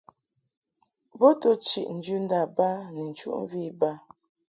Bo to chiʼ njɨndâ ba ni nchuʼmvi iba.